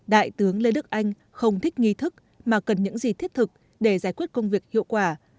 đại tướng lê đức anh không thích nghi thức mà cần những gì thiết thực để giải quyết công việc hiệu quả